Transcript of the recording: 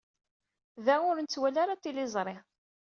Da, ur nettwali ara tiliẓri.